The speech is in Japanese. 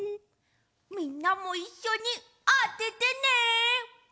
みんなもいっしょにあててね！